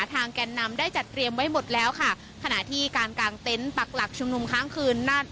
แก่นนำได้จัดเตรียมไว้หมดแล้วค่ะขณะที่การกางเต็นต์ปักหลักชุมนุมค้างคืนนั่น